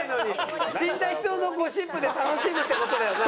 死んだ人のゴシップで楽しむって事だよな。